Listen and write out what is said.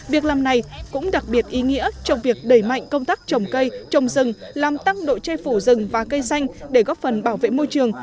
việc làm này cũng đặc biệt ý nghĩa trong việc đẩy mạnh công tác trồng cây trồng rừng làm tăng độ che phủ rừng và cây xanh để góp phần bảo vệ môi trường